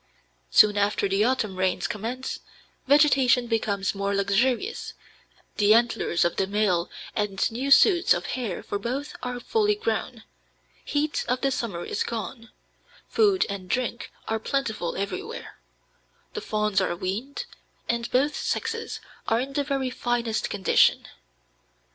Soon after the autumn rains commence vegetation becomes more luxurious, the antlers of the male and new suits of hair for both are fully grown, heat of the summer is gone, food and drink are plentiful everywhere, the fawns are weaned, and both sexes are in the very finest condition.